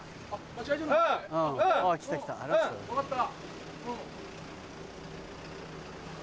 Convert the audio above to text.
分かった。